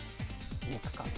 肉かな。